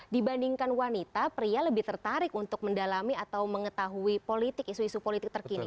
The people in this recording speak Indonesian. dibandingkan wanita pria lebih tertarik untuk mendalami atau mengetahui politik isu isu politik terkini